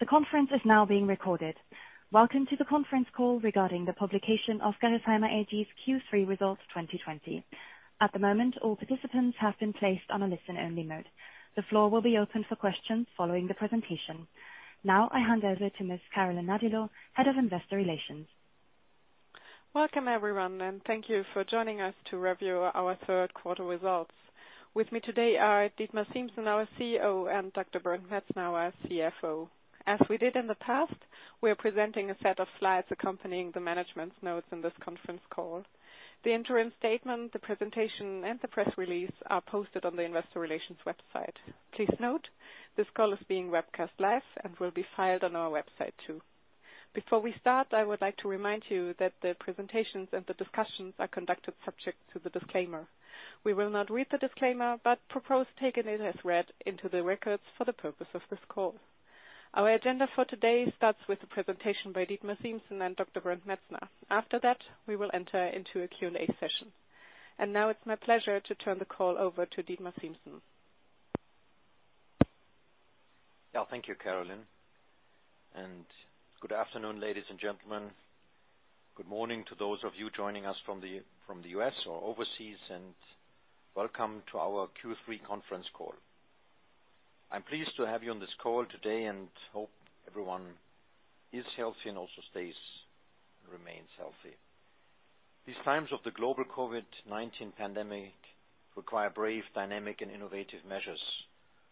The conference is now being recorded. Welcome to the conference call regarding the publication of Gerresheimer AG's Q3 Results 2020. At the moment, all participants have been placed on a listen-only mode. The floor will be open for questions following the presentation. Now I hand over to Ms. Carolin Nadilo, Head of Investor Relations. Welcome everyone, and thank you for joining us to review our Q3 results. With me today are Dietmar Siemssen, our CEO, and Dr. Bernd Metzner, our CFO. As we did in the past, we are presenting a set of slides accompanying the management's notes in this conference call. The interim statement, the presentation, and the press release are posted on the Investor Relations website. Please note, this call is being webcast live and will be filed on our website, too. Before we start, I would like to remind you that the presentations and the discussions are conducted subject to the disclaimer. We will not read the disclaimer, but propose taking it as read into the records for the purpose of this call. Our agenda for today starts with a presentation by Dietmar Siemssen and Dr. Bernd Metzner. After that, we will enter into a Q&A session. Now it's my pleasure to turn the call over to Dietmar Siemssen. Thank you, Carolin, and good afternoon, ladies and gentlemen. Good morning to those of you joining us from the U.S. or overseas, and welcome to our Q3 conference call. I'm pleased to have you on this call today and hope everyone is healthy and also remains healthy. These times of the global COVID-19 pandemic require brave, dynamic, and innovative measures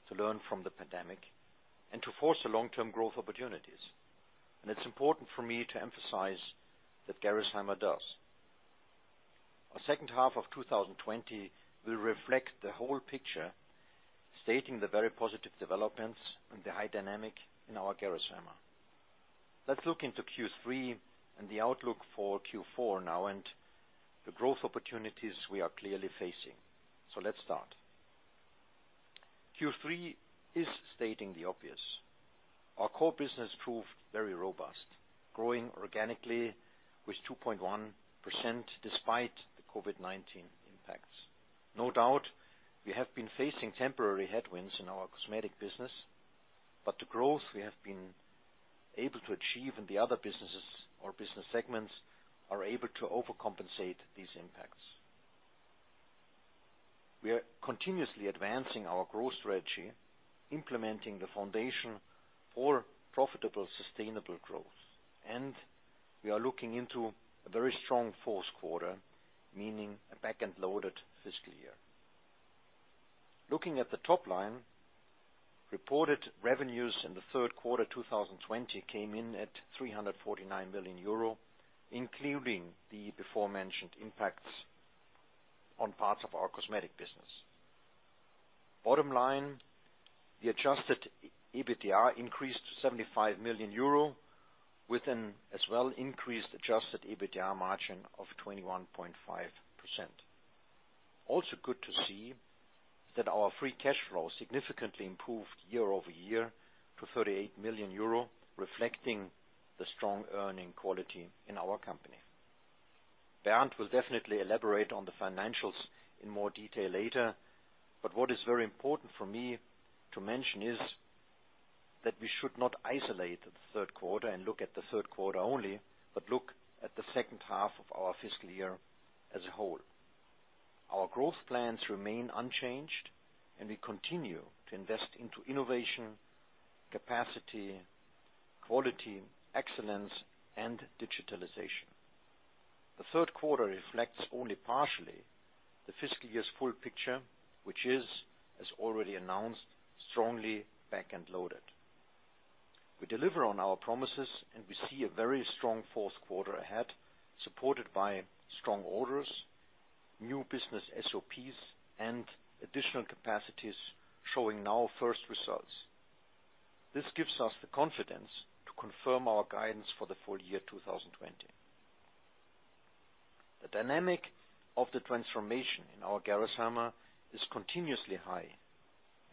to learn from the pandemic and to forge the long-term growth opportunities. It's important for me to emphasize that Gerresheimer does. Our second half of 2020 will reflect the whole picture, stating the very positive developments and the high dynamic in our Gerresheimer. Let's look into Q3 and the outlook for Q4 now and the growth opportunities we are clearly facing. Let's start. Q3 is stating the obvious. Our core business proved very robust, growing organically with 2.1% despite the COVID-19 impacts. No doubt, we have been facing temporary headwinds in our cosmetic business, but the growth we have been able to achieve in the other businesses or business segments are able to overcompensate these impacts. We are continuously advancing our growth strategy, implementing the foundation for profitable, sustainable growth. We are looking into a very strong Q4, meaning a backend-loaded fiscal year. Looking at the top line, reported revenues in the Q3 2020 came in at 349 million euro, including the before-mentioned impacts on parts of our cosmetic business. Bottom line, the adjusted EBITDA increased to 75 million euro with an as well increased adjusted EBITDA margin of 21.5%. Also good to see that our free cash flow significantly improved year-over-year to 38 million euro, reflecting the strong earning quality in our company. Bernd will definitely elaborate on the financials in more detail later, but what is very important for me to mention is that we should not isolate the Q3 and look at the Q3 only, but look at the second half of our fiscal year as a whole. Our growth plans remain unchanged, and we continue to invest into innovation, capacity, quality, excellence, and digitalization. The Q3 reflects only partially the fiscal year's full picture, which is, as already announced, strongly backend loaded. We deliver on our promises, and we see a very strong Q4 ahead, supported by strong orders, new business SOPs, and additional capacities showing now first results. This gives us the confidence to confirm our guidance for the full year 2020. The dynamic of the transformation in our Gerresheimer is continuously high,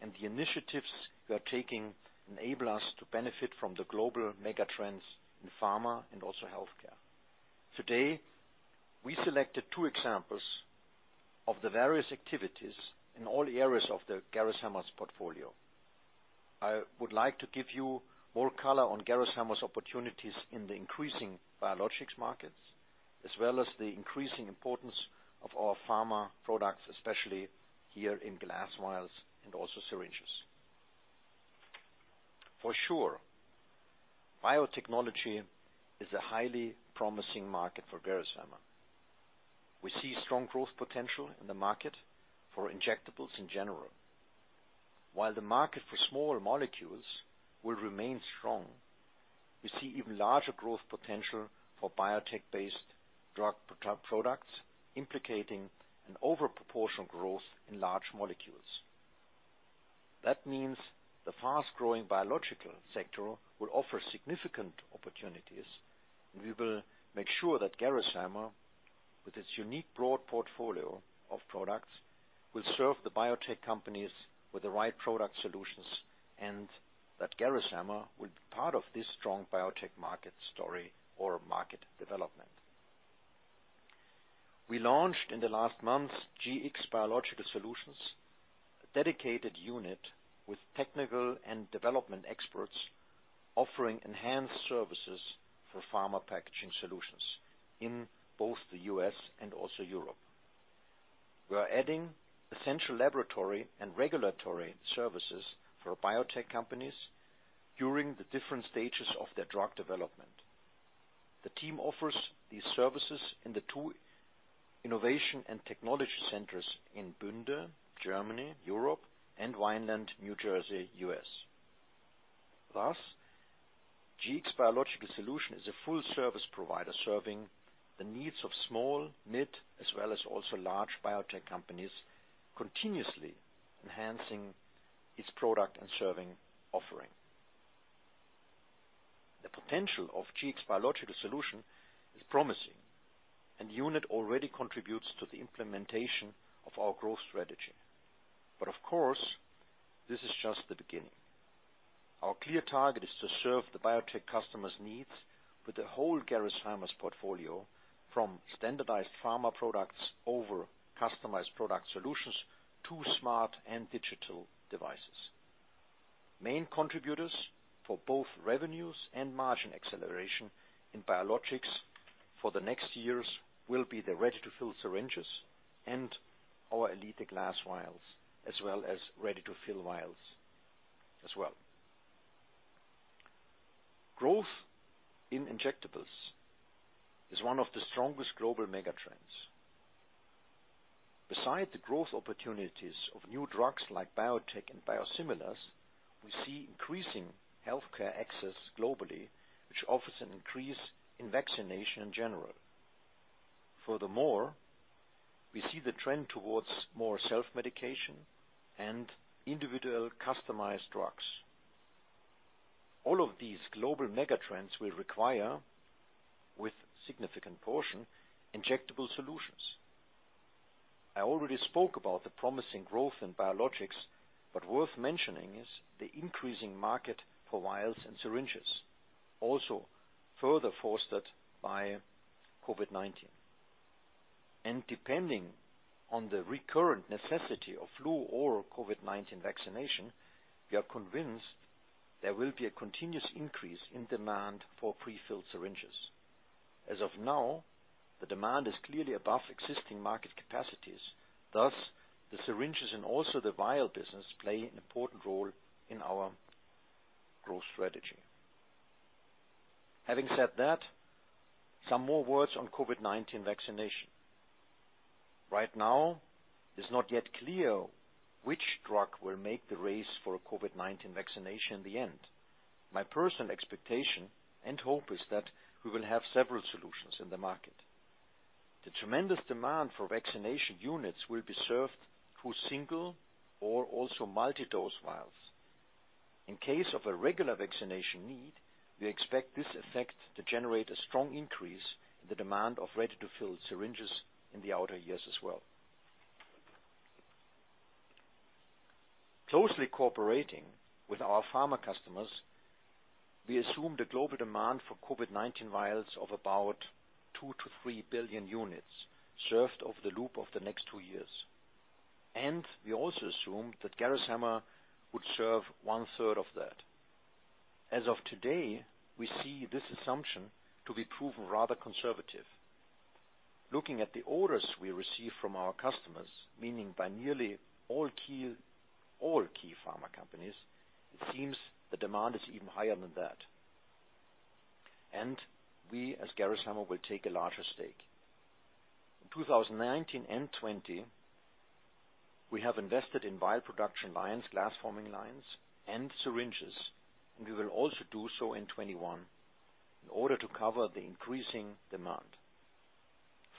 and the initiatives we are taking enable us to benefit from the global mega trends in pharma and also healthcare. Today, I selected two examples of the various activities in all areas of the Gerresheimer's portfolio. I would like to give you more color on Gerresheimer's opportunities in the increasing biologics markets, as well as the increasing importance of our pharma products, especially here in glass vials and also syringes. For sure, biotechnology is a highly promising market for Gerresheimer. We see strong growth potential in the market for injectables in general. While the market for smaller molecules will remain strong, we see even larger growth potential for biotech-based drug products, implicating an overproportional growth in large molecules. That means the fast-growing biological sector will offer significant opportunities, and we will make sure that Gerresheimer, with its unique broad portfolio of products, will serve the biotech companies with the right product solutions and that Gerresheimer will be part of this strong biotech market story or market development. We launched in the last month, Gx Biological Solutions, a dedicated unit with technical and development experts offering enhanced services for pharma packaging solutions in both the U.S. and also Europe. We are adding essential laboratory and regulatory services for biotech companies during the different stages of their drug development. The team offers these services in the two innovation and technology centers in Bünde, Germany, Europe, and Vineland, New Jersey, U.S. Thus, Gx Biological Solution is a full service provider serving the needs of small, mid, as well as also large biotech companies, continuously enhancing its product and service offering. The potential of Gx Biological Solutions is promising, and the unit already contributes to the implementation of our growth strategy. Of course, this is just the beginning. Our clear target is to serve the biotech customer's needs with the whole Gerresheimer's portfolio from standardized pharma products over customized product solutions to smart and digital devices. Main contributors for both revenues and margin acceleration in biologics for the next years will be the ready-to-fill syringes and our Elite glass vials, as well as ready-to-fill vials as well. Growth in injectables is one of the strongest global mega trends. Besides the growth opportunities of new drugs like biotech and biosimilars, we see increasing healthcare access globally, which offers an increase in vaccination in general. Furthermore, we see the trend towards more self-medication and individual customized drugs. All of these global mega trends will require, with significant portion, injectable solutions. I already spoke about the promising growth in biologics, but worth mentioning is the increasing market for vials and syringes, also further fostered by COVID-19. Depending on the recurrent necessity of flu or COVID-19 vaccination, we are convinced there will be a continuous increase in demand for prefilled syringes. As of now, the demand is clearly above existing market capacities. Thus, the syringes and also the vial business play an important role in our growth strategy. Having said that, some more words on COVID-19 vaccination. Right now, it's not yet clear which drug will make the race for a COVID-19 vaccination in the end. My personal expectation and hope is that we will have several solutions in the market. The tremendous demand for vaccination units will be served through single or also multi-dose vials. In case of a regular vaccination need, we expect this effect to generate a strong increase in the demand of ready-to-fill syringes in the outer years as well. Closely cooperating with our pharma customers, we assume the global demand for COVID-19 vials of about 2 billion-3 billion units served over the loop of the next two years. We also assume that Gerresheimer would serve one-third of that. As of today, we see this assumption to be proven rather conservative. Looking at the orders we receive from our customers, meaning by nearly all key pharma companies, it seems the demand is even higher than that. We, as Gerresheimer, will take a larger stake. In 2019 and 2020, we have invested in vial production lines, glass forming lines, and syringes, and we will also do so in 2021 in order to cover the increasing demand.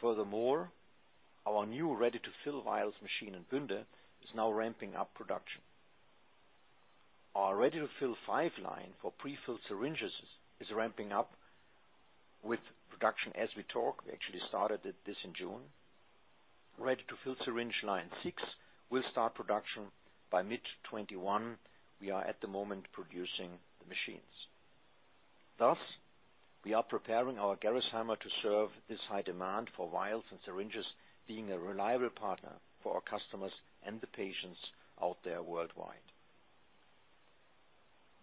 Furthermore, our new ready-to-fill vials machine in Bünde is now ramping up production. Our ready-to-fill line 5 for prefilled syringes is ramping up with production as we talk. We actually started it this in June. Ready-to-fill syringe line 6 will start production by mid 2021. We are at the moment producing the machines. We are preparing our Gerresheimer to serve this high demand for vials and syringes being a reliable partner for our customers and the patients out there worldwide.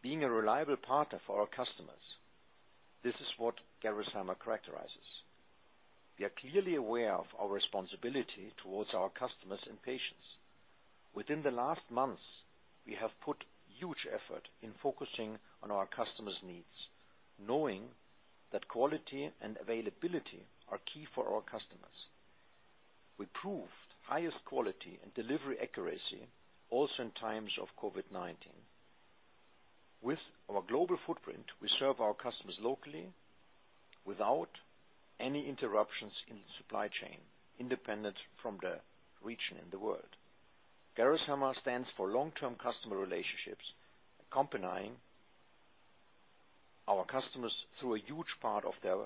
Being a reliable partner for our customers, this is what Gerresheimer characterizes. We are clearly aware of our responsibility towards our customers and patients. Within the last months, we have put huge effort in focusing on our customers' needs, knowing that quality and availability are key for our customers. We proved highest quality and delivery accuracy, also in times of COVID-19. With our global footprint, we serve our customers locally without any interruptions in supply chain, independent from the region in the world. Gerresheimer stands for long-term customer relationships, accompanying our customers through a huge part of their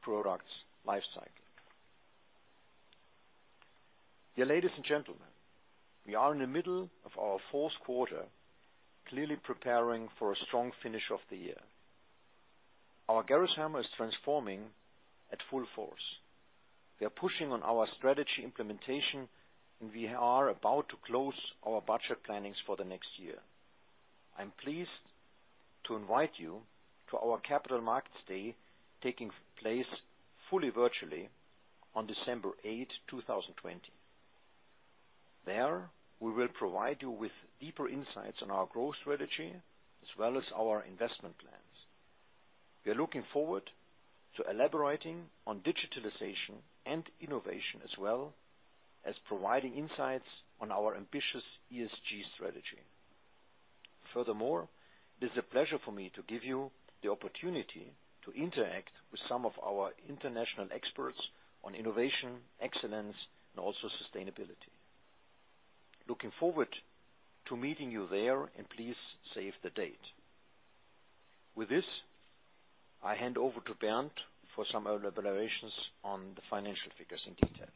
product's life cycle. Dear ladies and gentlemen, we are in the middle of our Q4, clearly preparing for a strong finish of the year. Our Gerresheimer is transforming at full force. We are pushing on our strategy implementation, and we are about to close our budget plannings for the next year. I'm pleased to invite you to our Capital Markets Day, taking place fully virtually on December 8, 2020. There, we will provide you with deeper insights on our growth strategy, as well as our investment plans. We are looking forward to elaborating on digitalization and innovation, as well as providing insights on our ambitious ESG strategy. It is a pleasure for me to give you the opportunity to interact with some of our international experts on innovation, excellence, and also sustainability. Looking forward to meeting you there, and please save the date. With this, I hand over to Bernd for some elaborations on the financial figures in detail.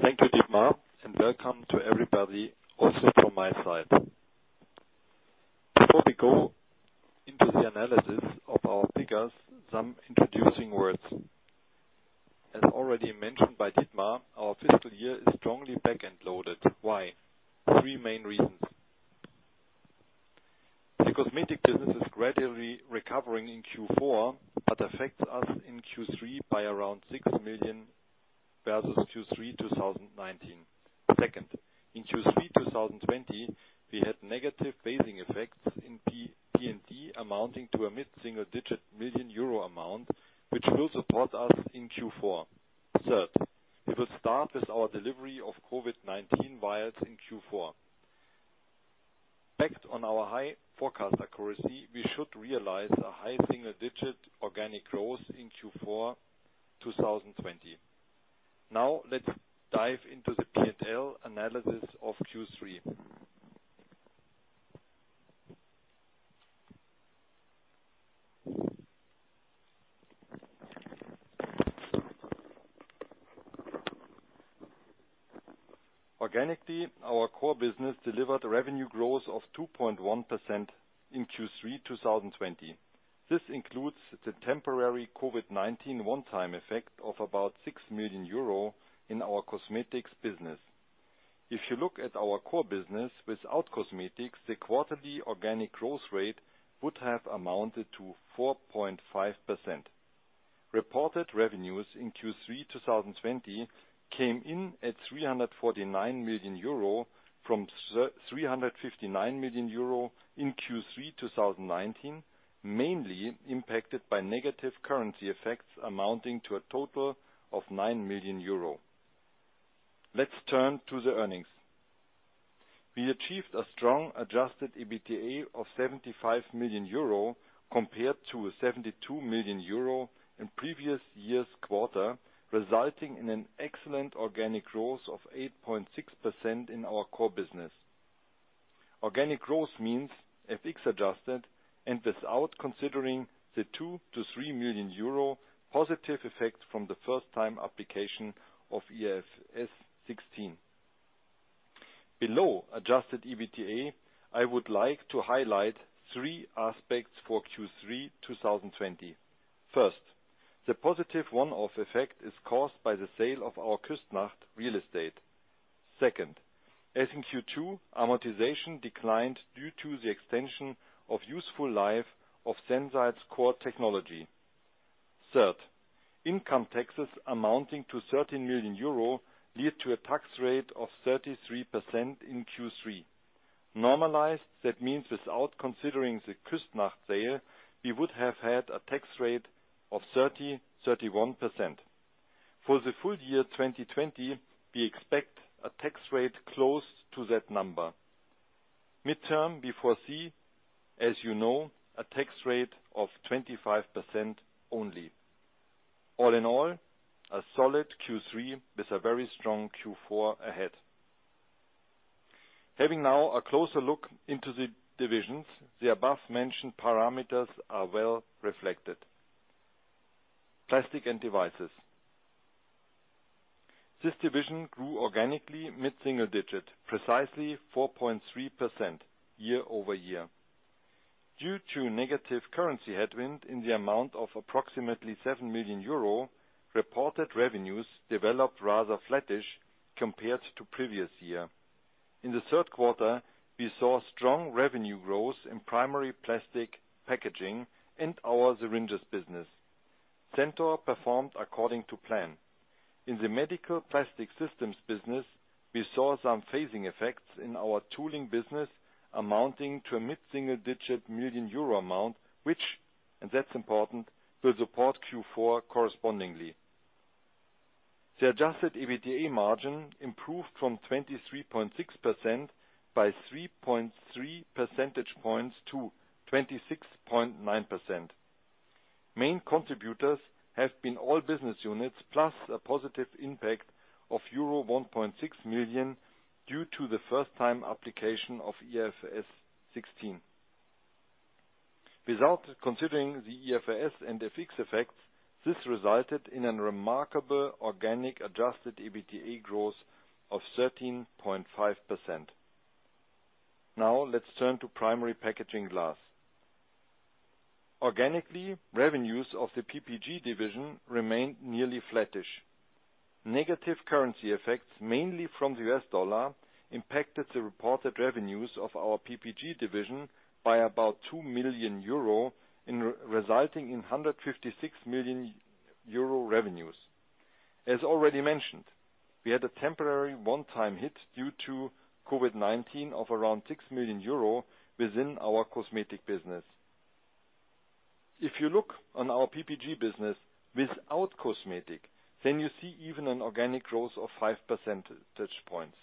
Thank you, Dietmar, and welcome to everybody, also from my side. Before we go into the analysis of our figures, some introducing words. As already mentioned by Dietmar, our fiscal year is strongly back-end loaded. Why? Three main reasons. The cosmetic business is gradually recovering in Q4, but affects us in Q3 by around 6 million versus Q3 2019. Second, in Q3 2020, we had negative phasing effects in P&L amounting to a mid-single digit million EUR amount, which will support us in Q4. Third, we will start with our delivery of COVID-19 vials in Q4. Backed on our high forecast accuracy, we should realize a high single-digit organic growth in Q4 2020. Now let's dive into the P&L analysis of Q3. Organically, our core business delivered revenue growth of 2.1% in Q3 2020. This includes the temporary COVID-19 one-time effect of about 6 million euro in our cosmetics business. If you look at our core business. Without cosmetics, the quarterly organic growth rate would have amounted to 4.5%. Reported revenues in Q3 2020 came in at 349 million euro from 359 million euro in Q3 2019, mainly impacted by negative currency effects amounting to a total of 9 million euro. Let's turn to the earnings. We achieved a strong adjusted EBITDA of 75 million euro compared to 72 million euro in previous year's quarter, resulting in an excellent organic growth of 8.6% in our core business. Organic growth means FX adjusted and without considering the 2 million-3 million euro positive effect from the first time application of IFRS 16. Below adjusted EBITDA, I would like to highlight three aspects for Q3 2020. First, the positive one-off effect is caused by the sale of our Küssnacht real estate. Second, as in Q2, amortization declined due to the extension of useful life of Sensile's core technology. Third, income taxes amounting to 13 million euro lead to a tax rate of 33% in Q3. Normalized, that means without considering the Küssnacht sale, we would have had a tax rate of 30%, 31%. For the full year 2020, we expect a tax rate close to that number. Midterm, we foresee, as you know, a tax rate of 25% only. All in all, a solid Q3 with a very strong Q4 ahead. Having now a closer look into the divisions, the above-mentioned parameters are well reflected. Plastics and Devices. This division grew organically mid-single-digit, precisely 4.3% year-over-year. Due to negative currency headwind in the amount of approximately 7 million euro, reported revenues developed rather flattish compared to previous year. In the Q3, we saw strong revenue growth in primary plastic packaging and our syringes business. Centor performed according to plan. In the medical plastic systems business, we saw some phasing effects in our tooling business amounting to a mid-single digit million EUR amount, which, and that's important, will support Q4 correspondingly. The adjusted EBITDA margin improved from 23.6% by 3.3 percentage points to 26.9%. Main contributors have been all business units, plus a positive impact of euro 1.6 million due to the first time application of IFRS 16. Without considering the IFRS and FX effects, this resulted in a remarkable organic adjusted EBITDA growth of 13.5%. Let's turn to Primary Packaging Glass. Organically, revenues of the PPG division remained nearly flattish. Negative currency effects, mainly from the US dollar, impacted the reported revenues of our PPG division by about 2 million euro, resulting in 156 million euro revenues. As already mentioned, we had a temporary one-time hit due to COVID-19 of around 6 million euro within our cosmetic business. If you look on our PPG business without cosmetic, you see even an organic growth of 5 percentage points.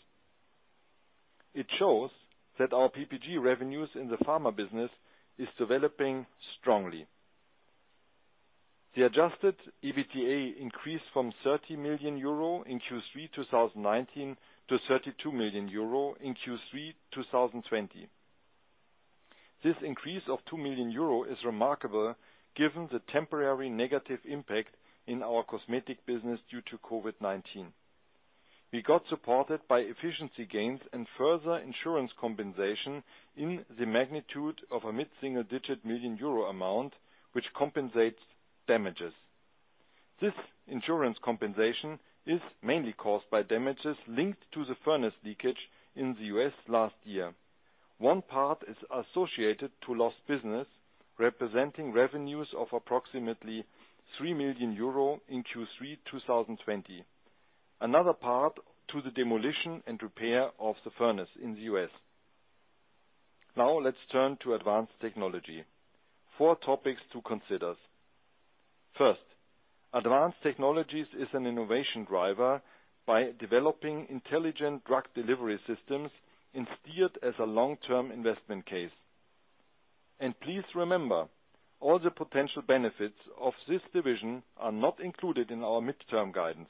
It shows that our PPG revenues in the pharma business is developing strongly. The adjusted EBITDA increased from 30 million euro in Q3 2019 to 32 million euro in Q3 2020. This increase of 2 million euro is remarkable given the temporary negative impact in our cosmetic business due to COVID-19. We got supported by efficiency gains and further insurance compensation in the magnitude of a mid-single-digit million EUR amount, which compensates damages. This insurance compensation is mainly caused by damages linked to the furnace leakage in the U.S. last year. One part is associated to lost business, representing revenues of approximately 3 million euro in Q3 2020. Another part to the demolition and repair of the furnace in the U.S. Let's turn to Advanced Technologies. Four topics to consider. Advanced Technologies is an innovation driver by developing intelligent drug delivery systems and steered as a long-term investment case. Please remember, all the potential benefits of this division are not included in our midterm guidance.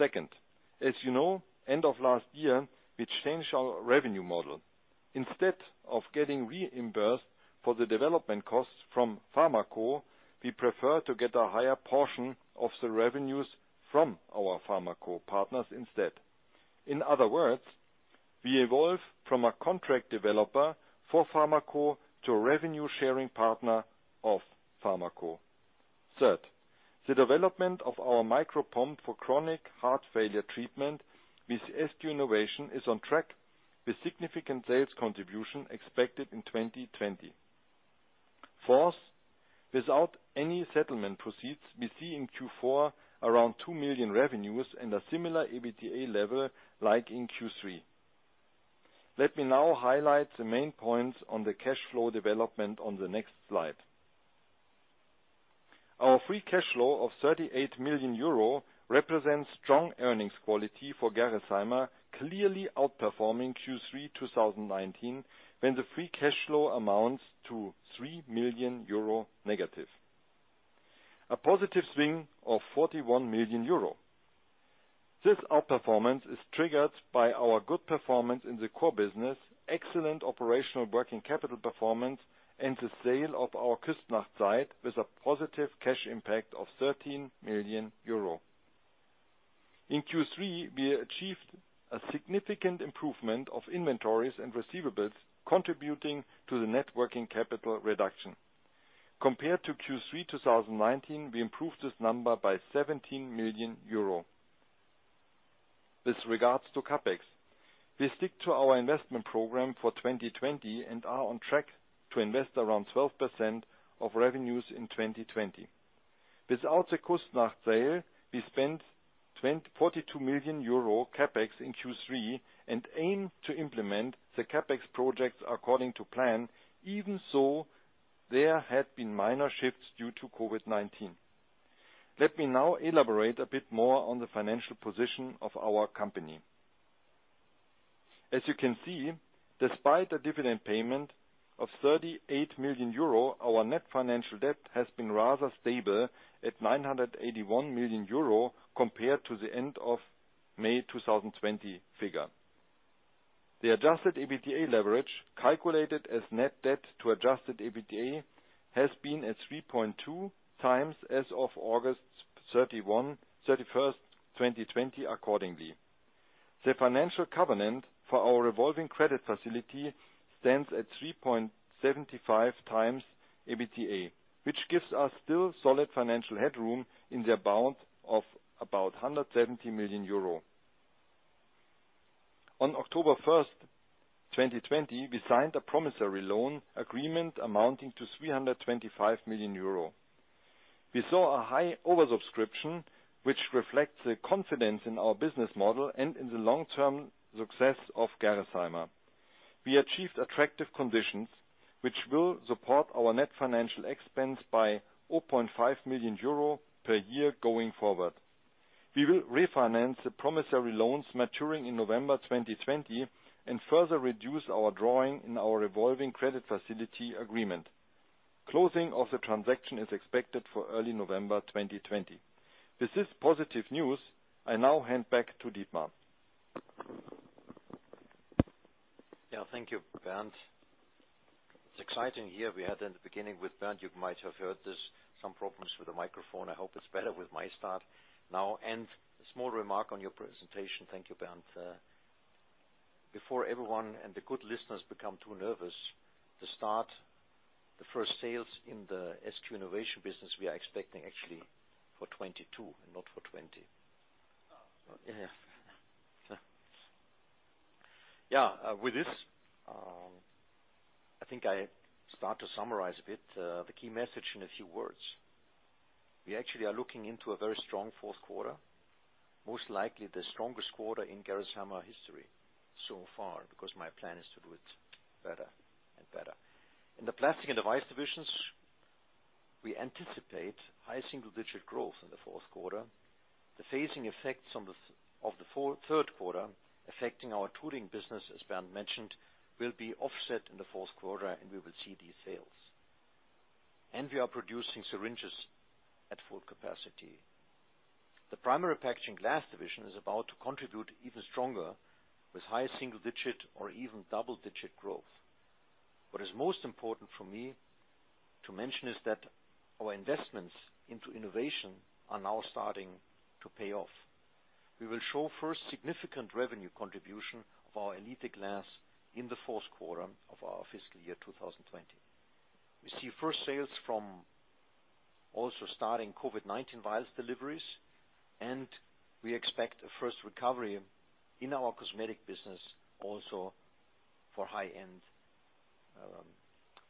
As you know, end of last year, we changed our revenue model. Instead of getting reimbursed for the development costs from pharma co, we prefer to get a higher portion of the revenues from our pharma co partners instead. In other words, we evolve from a contract developer for pharma co to a revenue-sharing partner of pharma co. The development of our micropump for chronic heart failure treatment with SQ Innovation is on track, with significant sales contribution expected in 2020. Without any settlement proceeds, we see in Q4 around 2 million revenues and a similar EBITDA level like in Q3. Let me now highlight the main points on the cash flow development on the next slide. Our free cash flow of 38 million euro represents strong earnings quality for Gerresheimer, clearly outperforming Q3 2019, when the free cash flow amounts to -3 million euro. A positive swing of 41 million euro. This outperformance is triggered by our good performance in the core business, excellent operational working capital performance, and the sale of our Küssnacht site with a positive cash impact of 13 million euro. In Q3, we achieved a significant improvement of inventories and receivables, contributing to the net working capital reduction. Compared to Q3 2019, we improved this number by 17 million euro. With regards to CapEx, we stick to our investment program for 2020 and are on track to invest around 12% of revenues in 2020. Without the Küssnacht sale, we spent 42 million euro CapEx in Q3 and aim to implement the CapEx projects according to plan, even so there have been minor shifts due to COVID-19. Let me now elaborate a bit more on the financial position of our company. As you can see, despite a dividend payment of 38 million euro, our net financial debt has been rather stable at 981 million euro compared to the end of May 2020 figure. The adjusted EBITDA leverage, calculated as net debt to adjusted EBITDA, has been at 3.2x as of August 31, 2020, accordingly. The financial covenant for our revolving credit facility stands at 3.75x EBITDA, which gives us still solid financial headroom in the amount of about 170 million euro. On October 1st, 2020, we signed a promissory loan agreement amounting to 325 million euro. We saw a high oversubscription, which reflects the confidence in our business model and in the long-term success of Gerresheimer. We achieved attractive conditions, which will support our net financial expense by 4.5 million euro per year going forward. We will refinance the promissory loans maturing in November 2020 and further reduce our drawing in our revolving credit facility agreement. Closing of the transaction is expected for early November 2020. This is positive news. I now hand back to Dietmar. Yeah. Thank you, Bernd. It's exciting year we had in the beginning with Bernd. You might have heard this, some problems with the microphone. I hope it's better with my start now. A small remark on your presentation. Thank you, Bernd. Before everyone and the good listeners become too nervous, to start the first sales in the SQ Innovation business, we are expecting actually for 2022 and not for 2020. With this, I think I start to summarize a bit, the key message in a few words. We actually are looking into a very strong Q4, most likely the strongest quarter in Gerresheimer history so far, because my plan is to do it better and better. In the Plastics and Devices divisions, we anticipate high single-digit growth in the Q4. The phasing effects of the Q3 affecting our tooling business, as Bernd mentioned, will be offset in the Q4, and we will see these sales. We are producing syringes at full capacity. The Primary Packaging Glass division is about to contribute even stronger with high single-digit or even double-digit growth. What is most important for me to mention is that our investments into innovation are now starting to pay off. We will show first significant revenue contribution of our Elite glass in the Q4 of our fiscal year 2020. We see first sales from also starting COVID-19 vials deliveries. We expect a first recovery in our cosmetic business also for high-end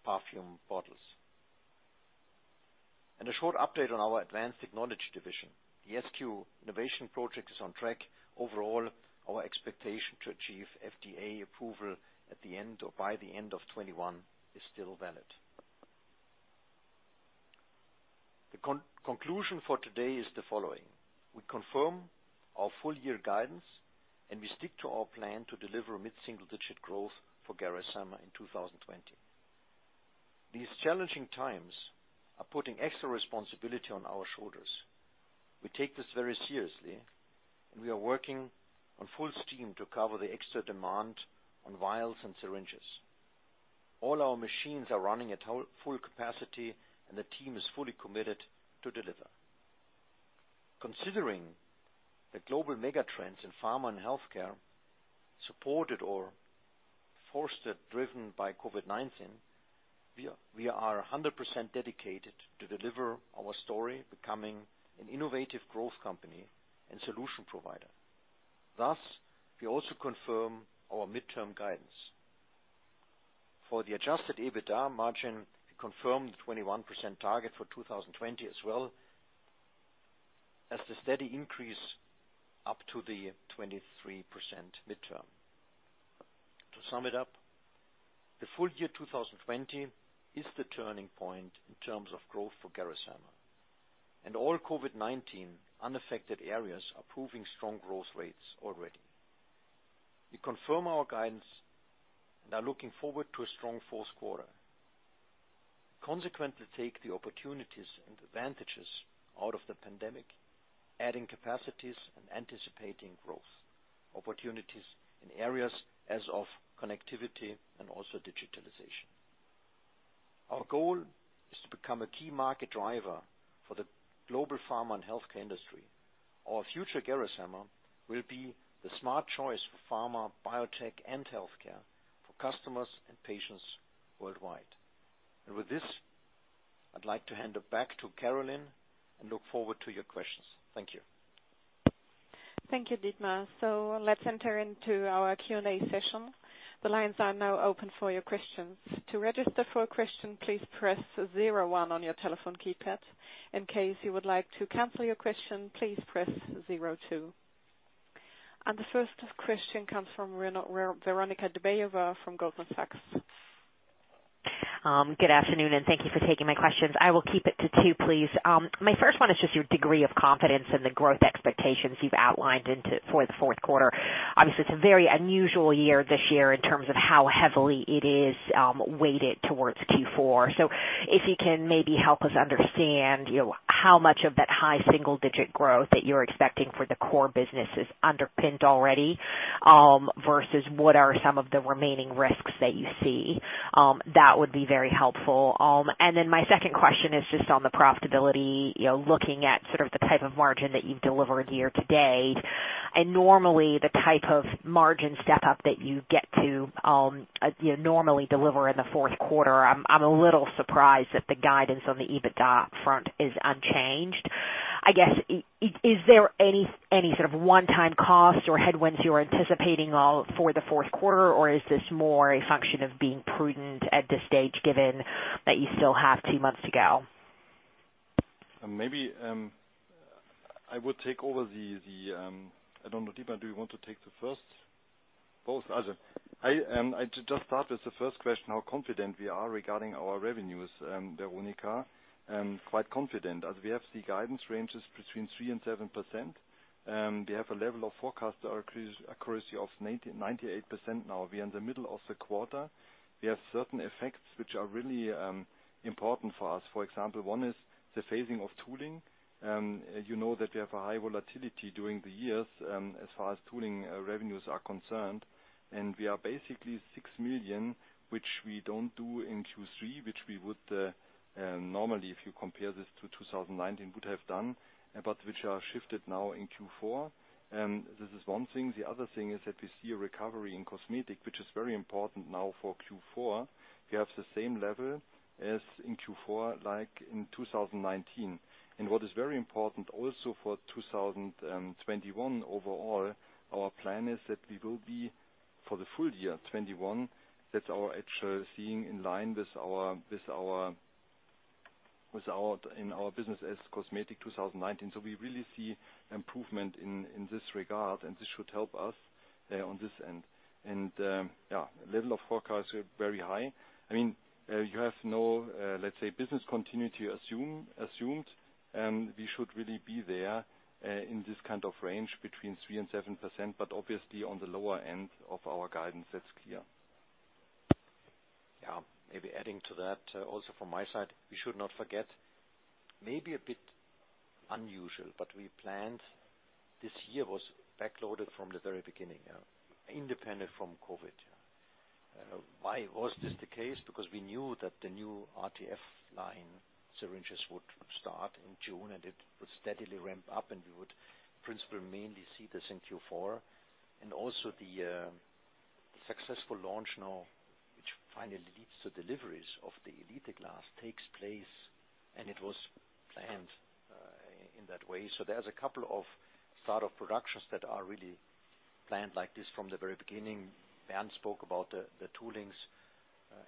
perfume bottles. A short update on our Advanced Technologies division. The SQ Innovation project is on track. Overall, our expectation to achieve FDA approval at the end or by the end of 2021 is still valid. The conclusion for today is the following. We confirm our full-year guidance. We stick to our plan to deliver mid-single-digit growth for Gerresheimer in 2020. These challenging times are putting extra responsibility on our shoulders. We take this very seriously. We are working on full steam to cover the extra demand on vials and syringes. All our machines are running at full capacity, and the team is fully committed to deliver. Considering the global mega trends in pharma and healthcare supported or forced, driven by COVID-19, we are 100% dedicated to deliver our story, becoming an innovative growth company and solution provider. Thus, we also confirm our midterm guidance. For the adjusted EBITDA margin, we confirm the 21% target for 2020 as well as the steady increase up to the 23% midterm. To sum it up, the full year 2020 is the turning point in terms of growth for Gerresheimer. All COVID-19 unaffected areas are proving strong growth rates already. We confirm our guidance and are looking forward to a strong Q4. Consequently, take the opportunities and advantages out of the pandemic, adding capacities and anticipating growth, opportunities in areas as of connectivity and also digitalization. Our goal is to become a key market driver for the global pharma and healthcare industry. Our future Gerresheimer will be the smart choice for pharma, biotech, and healthcare for customers and patients worldwide. With this, I'd like to hand it back to Carolin and look forward to your questions. Thank you. Thank you, Dietmar. Let's enter into our Q&A session. The lines are now open for your questions. The first question comes from Veronika Dubajova from Goldman Sachs. Good afternoon. Thank you for taking my questions. I will keep it to two, please. My first one is just your degree of confidence in the growth expectations you've outlined for the Q4. Obviously, it's a very unusual year this year in terms of how heavily it is weighted towards Q4. If you can maybe help us understand how much of that high single-digit growth that you're expecting for the core business is underpinned already versus what are some of the remaining risks that you see. That would be very helpful. My second question is just on the profitability, looking at sort of the type of margin that you've delivered year to date. Normally, the type of margin step-up that you get to normally deliver in the Q4, I'm a little surprised that the guidance on the EBITDA front is unchanged. I guess, is there any sort of one-time cost or headwinds you are anticipating for the Q4, or is this more a function of being prudent at this stage, given that you still have two months to go? Maybe, I would take over. I do not know, Dietmar, do you want to take the first? Both? Okay. I just start with the first question, how confident we are regarding our revenues, Veronika. Quite confident, as we have the guidance ranges between 3% and 7%. We have a level of forecast accuracy of 98% now. We are in the middle of the quarter. We have certain effects which are really important for us. For example, one is the phasing of tooling. You know that we have a high volatility during the years, as far as tooling revenues are concerned. We are basically 6 million, which we don't do in Q3, which we would normally, if you compare this to 2019, would have done, but which are shifted now in Q4. The other thing is that we see a recovery in Cosmetic, which is very important now for Q4. We have the same level as in Q4, like in 2019. What is very important also for 2021 overall, our plan is that we will be for the full year 2021, that's our actual seeing in line with our business as Cosmetic 2019. We really see improvement in this regard, and this should help us on this end. Level of forecast are very high. You have no, let's say, business continuity assumed, and we should really be there, in this kind of range between three and seven%, but obviously on the lower end of our guidance, that's clear. Maybe adding to that, also from my side, we should not forget, maybe a bit unusual, but we planned this year was backloaded from the very beginning. Independent from COVID-19. Why was this the case? We knew that the new RTF line syringes would start in June, and it would steadily ramp up, and we would principally mainly see this in Q4. Also the successful launch now, which finally leads to deliveries of the Gx Elite glass takes place, and it was planned in that way. There's a couple of start of productions that are really planned like this from the very beginning. Bernd spoke about the toolings.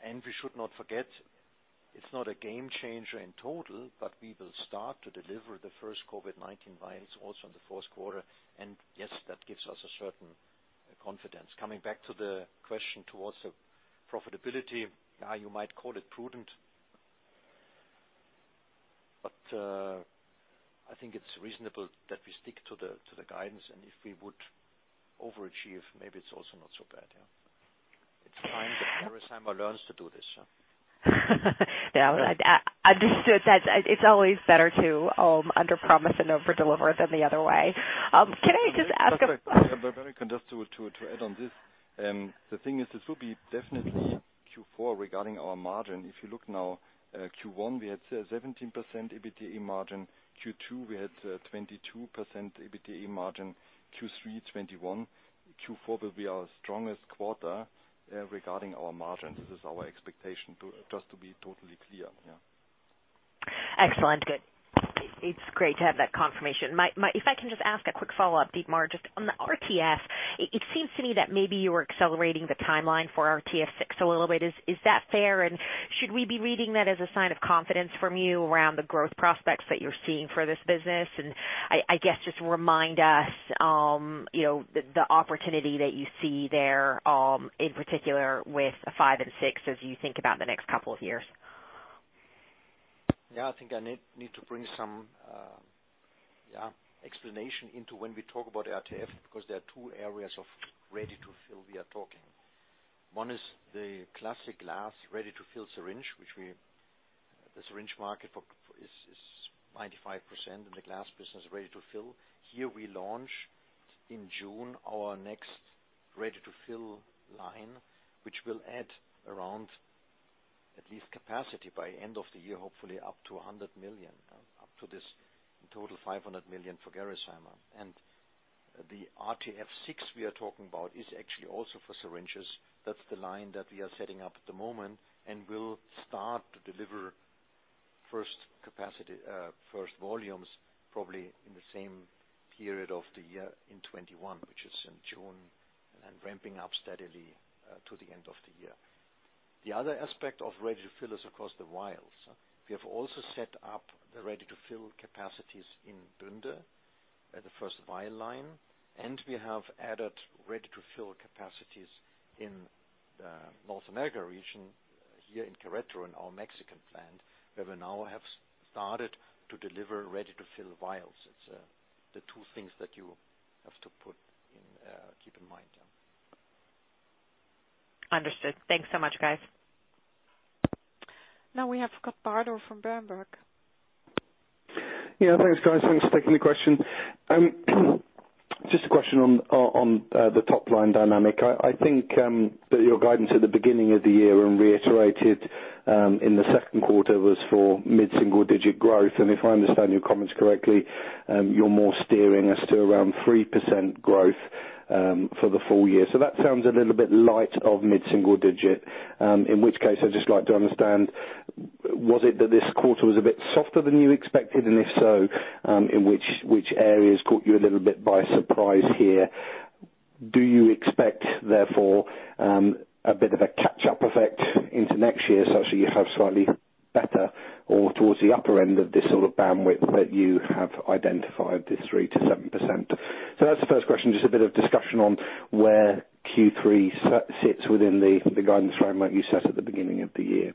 We should not forget, it's not a game changer in total, but we will start to deliver the first COVID-19 vials also in the Q4. Yes, that gives us a certain confidence. Coming back to the question towards the profitability, now you might call it prudent, but, I think it's reasonable that we stick to the guidance, and if we would overachieve, maybe it's also not so bad, yeah. It's time that Gerresheimer learns to do this, yeah. Yeah. Understood. It's always better to underpromise and overdeliver than the other way. Can I just ask a- Veronika, just to add on this. The thing is, this will be definitely Q4 regarding our margin. If you look now, Q1, we had 17% EBITDA margin. Q2, we had 22% EBITDA margin. Q3, 21%. Q4 will be our strongest quarter regarding our margins. This is our expectation, just to be totally clear, yeah. Excellent. Good. It's great to have that confirmation. If I can just ask a quick follow-up, Dietmar, just on the RTF, it seems to me that maybe you're accelerating the timeline for RTF 6 a little bit. Is that fair? Should we be reading that as a sign of confidence from you around the growth prospects that you're seeing for this business? I guess just remind us the opportunity that you see there, in particular with 5 and 6 as you think about the next couple of years. Yeah, I think I need to bring some explanation into when we talk about RTF, because there are two areas of ready-to-fill we are talking. One is the classic glass ready-to-fill syringe, which the syringe market is 95% in the glass business ready-to-fill. Here we launch in June our next ready-to-fill line, which will add around at least capacity by end of the year, hopefully up to 100 million, up to this total 500 million for Gerresheimer. The RTF six we are talking about is actually also for syringes. That's the line that we are setting up at the moment and will start to deliver first volumes probably in the same period of the year in 2021, which is in June, and ramping up steadily to the end of the year. The other aspect of ready-to-fill is, of course, the vials. We have also set up the ready-to-fill capacities in Bünde, the first vial line, and we have added ready-to-fill capacities in the North America region here in Querétaro, in our Mexican plant, where we now have started to deliver ready-to-fill vials. It's the two things that you have to keep in mind. Understood. Thanks so much, guys. Now we have Scott Bardo from Berenberg. Yeah. Thanks, guys. Thanks for taking the question. Just a question on the top-line dynamic. I think that your guidance at the beginning of the year and reiterated in the Q2 was for mid-single digit growth. If I understand your comments correctly, you're more steering us to around 3% growth for the full year. That sounds a little bit light of mid-single digit. In which case, I'd just like to understand, was it that this quarter was a bit softer than you expected? If so, in which areas caught you a little bit by surprise here? Do you expect, therefore, a bit of a catch-up effect into next year, such that you have slightly better or towards the upper end of this sort of bandwidth that you have identified, this 3%-7%? That's the first question, just a bit of discussion on where Q3 sits within the guidance framework you set at the beginning of the year.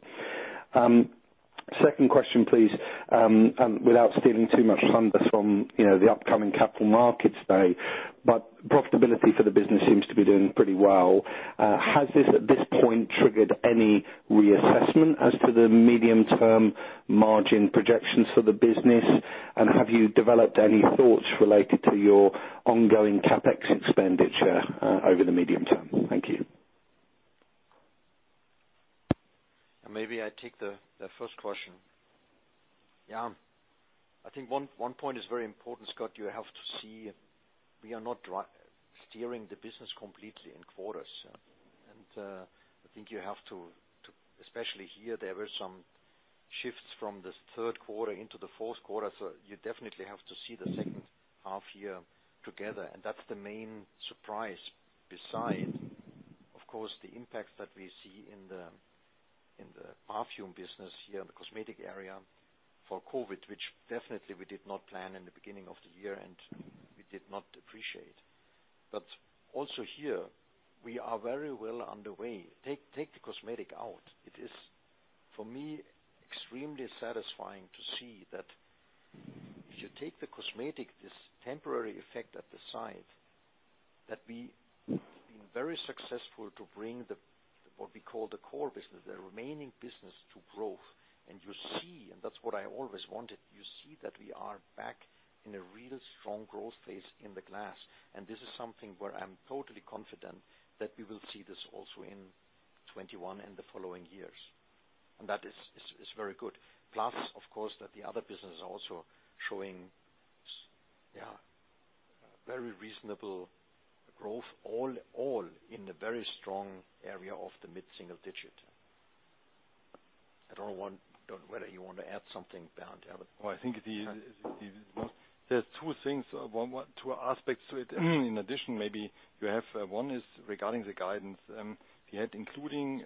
Second question, please. Without stealing too much thunder from the upcoming capital markets day, but profitability for the business seems to be doing pretty well. Has this at this point triggered any reassessment as to the medium-term margin projections for the business? And have you developed any thoughts related to your ongoing CapEx expenditure over the medium term? Thank you. Maybe I take the first question. I think one point is very important, Scott. You have to see we are not steering the business completely in quarters. I think you have to, especially here, there were some shifts from the Q3 into the Q4. You definitely have to see the second half year together, and that's the main surprise beside, of course, the impacts that we see in the perfume business here in the cosmetic area for COVID, which definitely we did not plan in the beginning of the year, and we did not appreciate. Also here, we are very well underway. Take the cosmetic out. It is, for me, extremely satisfying to see that if you take the cosmetic, this temporary effect at the side, that we have been very successful to bring what we call the core business, the remaining business, to growth. You see, and that's what I always wanted, you see that we are back in a real strong growth phase in the glass. This is something where I'm totally confident that we will see this also in 2021 and the following years. That is very good. Of course, that the other business is also showing very reasonable growth, all in the very strong area of the mid-single digit. I don't know whether you want to add something, Bernd. Well, I think there's two things, two aspects to it. In addition, maybe you have one is regarding the guidance. We had, including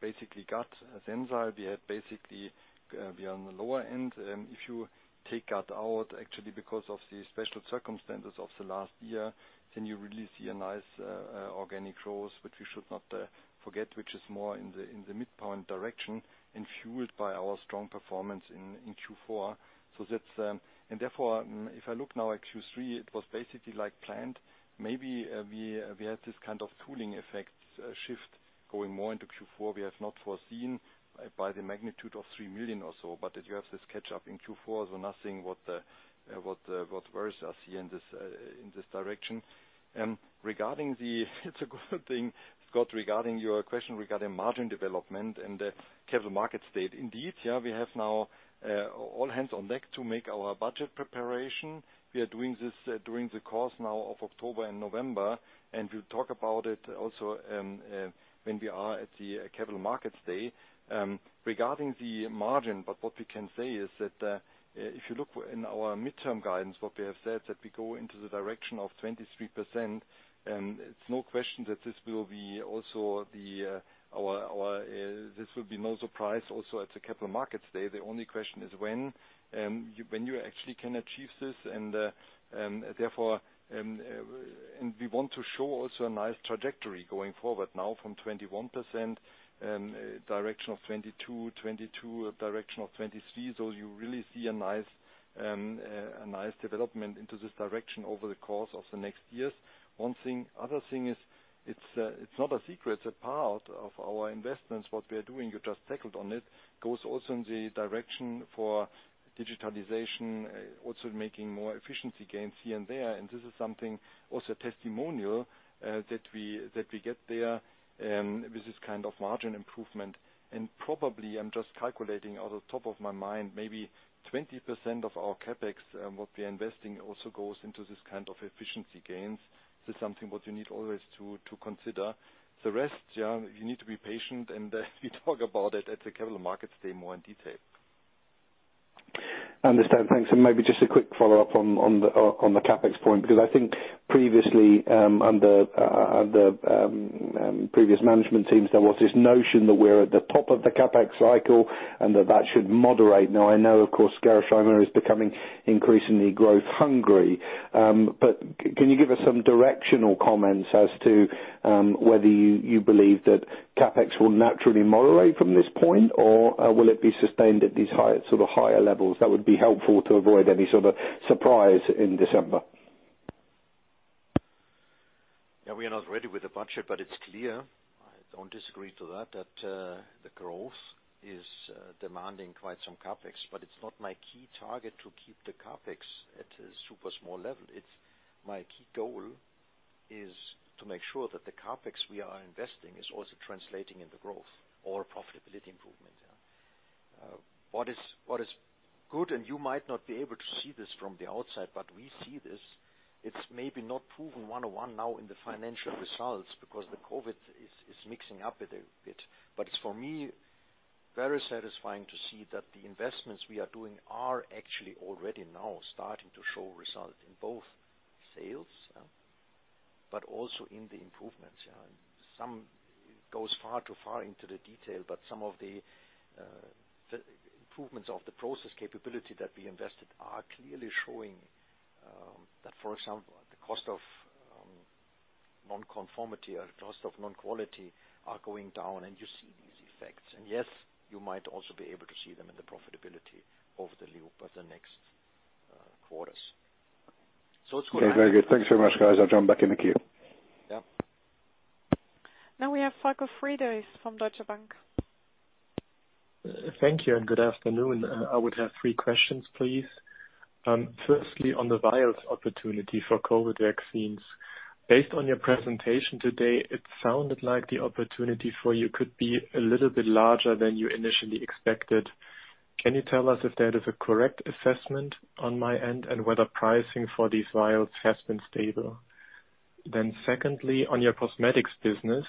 basically GAT, Sensile, we are on the lower end. If you take GAT out, actually because of the special circumstances of the last year, you really see a nice organic growth, which we should not forget, which is more in the midpoint direction and fueled by our strong performance in Q4. If I look now at Q3, it was basically like planned. Maybe we had this kind of pull-in effect shift going more into Q4. We have not foreseen by the magnitude of 3 million or so. As you have this catch up in Q4. Nothing worth seeing in this direction. It's a good thing, Scott, regarding your question regarding margin development and the Capital Market Day. Indeed, yeah, we have now all hands on deck to make our budget preparation. We are doing the cost now of October and November, and we'll talk about it also when we are at the Capital Markets Day. Regarding the margin, what we can say is that if you look in our midterm guidance, what we have said, that we go into the direction of 23%, it's no question that this will be no surprise also at the Capital Markets Day. The only question is when you actually can achieve this, and we want to show also a nice trajectory going forward now from 21%, direction of 22%, direction of 23%. You really see a nice development into this direction over the course of the next years. Other thing is, it's not a secret that part of our investments, what we are doing, you just tackled on it, goes also in the direction for digitalization, also making more efficiency gains here and there. This is something also testimonial that we get there, with this kind of margin improvement. Probably, I'm just calculating off the top of my mind, maybe 20% of our CapEx, what we are investing also goes into this kind of efficiency gains. This is something what you need always to consider. The rest, you need to be patient, and we talk about it at the Capital Markets Day more in detail. Understand. Thanks. Maybe just a quick follow-up on the CapEx point, because I think previously, under previous management teams, there was this notion that we're at the top of the CapEx cycle and that that should moderate. Now I know, of course, Gerresheimer is becoming increasingly growth hungry. Can you give us some directional comments as to whether you believe that CapEx will naturally moderate from this point, or will it be sustained at these higher levels? That would be helpful to avoid any sort of surprise in December. Yeah, we are not ready with the budget, but it's clear, I don't disagree to that the growth is demanding quite some CapEx. It's not my key target to keep the CapEx at a super small level. My key goal is to make sure that the CapEx we are investing is also translating into growth or profitability improvement. What is good, and you might not be able to see this from the outside, but we see this, it's maybe not proven one-on-one now in the financial results because the COVID is mixing up it a bit. It's, for me, very satisfying to see that the investments we are doing are actually already now starting to show results in both sales, but also in the improvements. Some goes far too far into the detail, but some of the improvements of the process capability that we invested are clearly showing, that for example, the cost of non-conformity or cost of non-quality are going down, and you see these effects. Yes, you might also be able to see them in the profitability over the loop of the next quarters. Very good. Thanks very much, guys. I'll jump back in the queue. Yeah. Now we have Falko Friedrichs from Deutsche Bank. Thank you and good afternoon. I would have three questions, please. Firstly, on the vials opportunity for COVID vaccines. Based on your presentation today, it sounded like the opportunity for you could be a little bit larger than you initially expected. Can you tell us if that is a correct assessment on my end and whether pricing for these vials has been stable? Secondly, on your cosmetics business,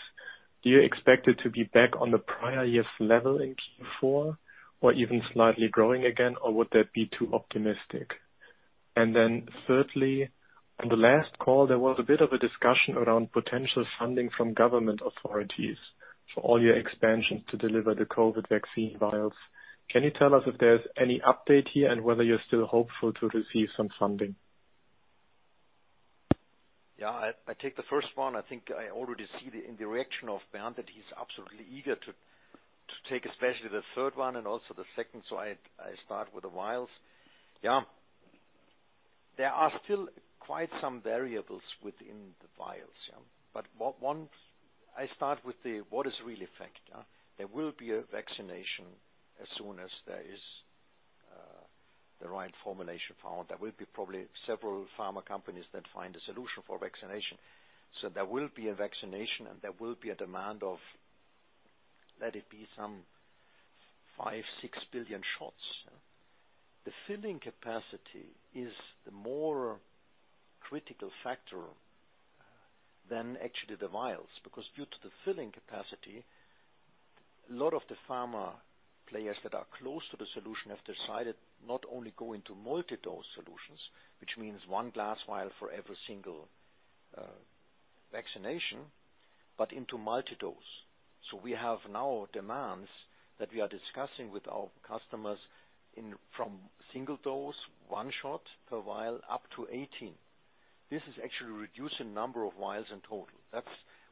do you expect it to be back on the prior year's level in Q4 or even slightly growing again, or would that be too optimistic? Thirdly, on the last call, there was a bit of a discussion around potential funding from government authorities for all your expansions to deliver the COVID vaccine vials. Can you tell us if there's any update here and whether you're still hopeful to receive some funding? I take the first one. I think I already see in the reaction of Bernd that he's absolutely eager to take, especially the third one and also the second. I start with the vials. There are still quite some variables within the vials. One, I start with what is really a factor. There will be a vaccination as soon as there is the right formulation found. There will be probably several pharma companies that find a solution for vaccination. There will be a vaccination, and there will be a demand of, let it be some 5 billion-6 billion shots. The filling capacity is the more critical factor than actually the vials, because due to the filling capacity, a lot of the pharma players that are close to the solution have decided not only go into multi-dose solutions, which means one glass vial for every single vaccination, but into multi-dose. We have now demands that we are discussing with our customers from single dose, one shot per vial, up to 18. This is actually reducing the number of vials in total. That's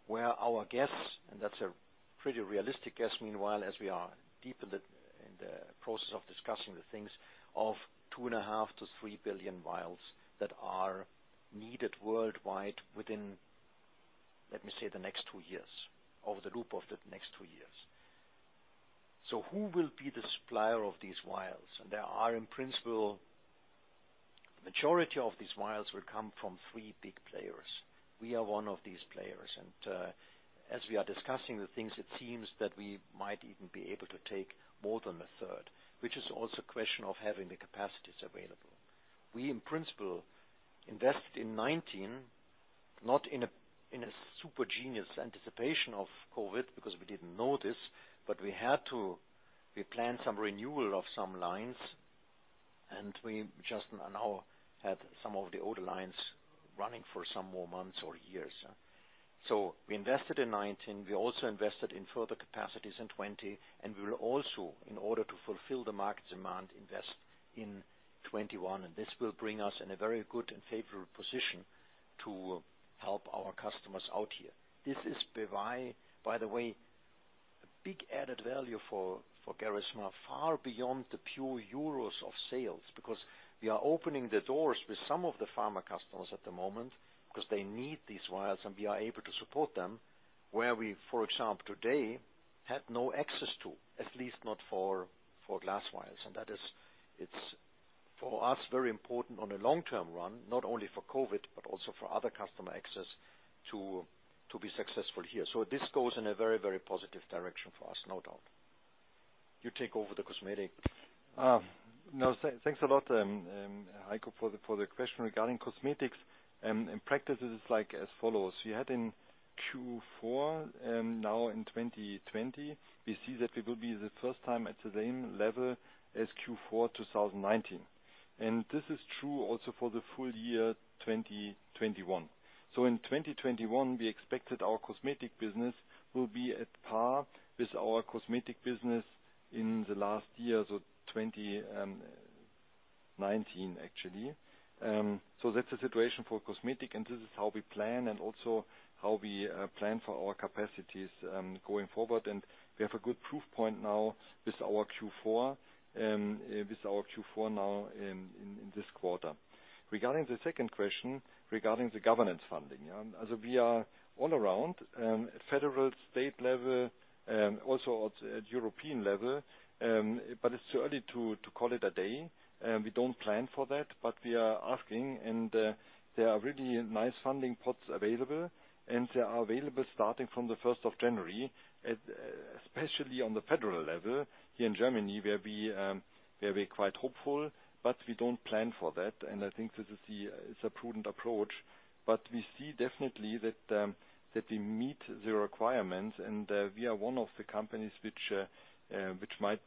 where our guess, and that's a pretty realistic guess meanwhile, as we are deep in the process of discussing the things, of two and a half to 3 billion vials that are needed worldwide within, let me say, the next two years, over the group of the next two years. Who will be the supplier of these vials? There are, in principle, the majority of these vials will come from three big players. We are one of these players. As we are discussing the things, it seems that we might even be able to take more than a third, which is also a question of having the capacities available. We, in principle, invest in 2019, not in a super genius anticipation of COVID, because we didn't know this, but we had to replan some renewal of some lines, and we just now had some of the older lines running for some more months or years. We invested in 2019. We also invested in further capacities in 2020, and we will also, in order to fulfill the market demand, invest in 2021. This will bring us in a very good and favorable position to help our customers out here. This is, by the way, a big added value for Gerresheimer, far beyond the pure euros of sales, because we are opening the doors with some of the pharma customers at the moment because they need these vials, and we are able to support them where we, for example, today, had no access to, at least not for glass vials. That is, it's for us, very important on a long-term run, not only for COVID-19, but also for other customer access to be successful here. This goes in a very, very positive direction for us, no doubt. You take over the cosmetic. Thanks a lot, Falko, for the question regarding cosmetics. In practices like as follows, we had in Q4, now in 2020, we see that we will be the first time at the same level as Q4 2019. This is true also for the full year 2021. In 2021, we expected our cosmetic business will be at par with our cosmetic business in the last year, so 2019, actually. That's the situation for cosmetic, and this is how we plan and also how we plan for our capacities going forward. We have a good proof point now with our Q4 now in this quarter. Regarding the second question, regarding the government funding. As we are all around at federal, state level, also at European level, but it's too early to call it a day. We don't plan for that, but we are asking, and there are really nice funding pots available, and they are available starting from the 1st of January, especially on the federal level here in Germany, where we're quite hopeful, but we don't plan for that. I think this is a prudent approach, but we see definitely that we meet the requirements, and we are one of the companies which might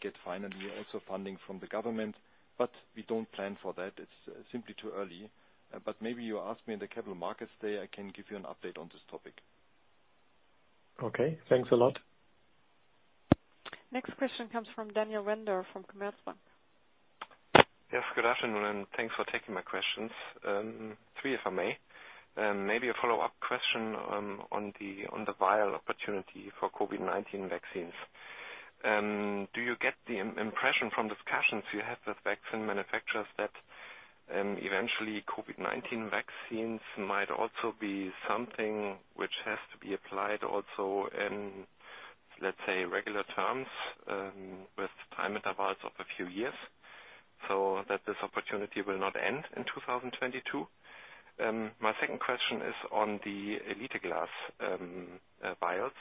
get finally also funding from the government. We don't plan for that. It's simply too early. Maybe you ask me in the Capital Markets Day, I can give you an update on this topic. Okay. Thanks a lot. Next question comes from Daniel Wendorff from Commerzbank. Yes, good afternoon, thanks for taking my questions. Three, if I may. Maybe a follow-up question on the vial opportunity for COVID-19 vaccines. Do you get the impression from discussions you have with vaccine manufacturers that eventually, COVID-19 vaccines might also be something which has to be applied also in, let's say, regular terms with time intervals of a few years, so that this opportunity will not end in 2022? My second question is on the Elite glass vials.